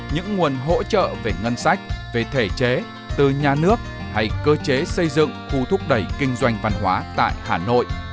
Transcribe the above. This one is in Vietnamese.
những nguồn hỗ trợ về ngân sách về thể chế từ nhà nước hay cơ chế xây dựng khu thúc đẩy kinh doanh văn hóa tại hà nội